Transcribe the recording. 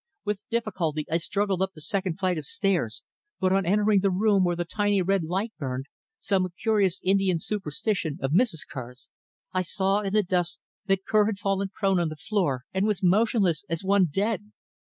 With difficulty I struggled up the second flight of stairs, but on entering the room where the tiny red light burned some curious Indian superstition of Mrs. Kerr's I saw in the dusk that Kerr had fallen prone on the floor and was motionless as one dead.